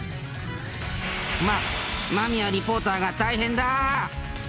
ま、間宮リポーターが大変だ。